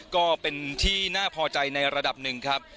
ก็เป็นที่น่าพอใจในระดับหนึ่งครับ